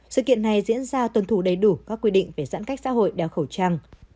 sự kiện này diễn ra tuân thủ đầy đủ các quy định về giãn cách xã hội đeo khẩu trang